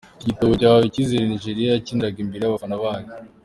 Iki gitego cyahaye icyizere Nigeriya yakiniraga imbere y’abafana bayo.